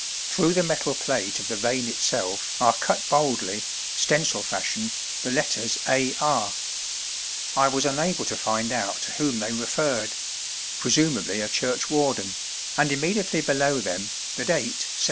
Through the metal plate of the vane itself are cut boldly, stencil fashion, the letters "A. R." (I was unable to find out to whom they referred presumably a churchwarden), and immediately below them, the date 1703.